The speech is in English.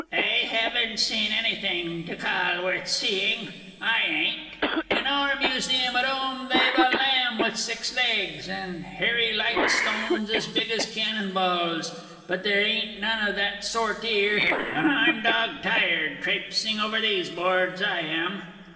I ain't seen anything to call worth seeing, I ain't. In our Museum at 'ome they've a lamb with six legs, and hairy light stones as big as cannon balls; but there ain't none of that sort 'ere, and I'm dog tired trapesing over these boards, I am!